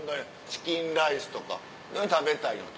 チキンライスとか食べたいと。